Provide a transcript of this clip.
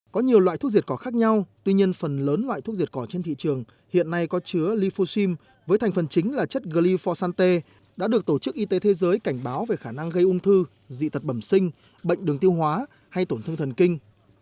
có nhiều loại thuốc diệt cỏ khác nhau tuy nhiên phần lớn loại thuốc diệt cỏ trên thị trường hiện nay có chứa lifoxim với thành phần chính là chất gly fosan tê đã được tổ chức y tế thế giới cảnh báo về khả năng gây ung thư dị tật bẩm sinh bệnh đường tiêu hóa hay tổn thương thần kinh